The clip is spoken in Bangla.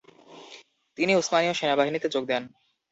তিনি উসমানীয় সেনাবাহিনীতে যোগ দেন।